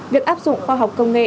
việc áp dụng khoa học công nghệ